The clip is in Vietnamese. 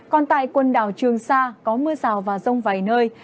còn tại quần đảo trường sa có mưa rào và rông vài nơi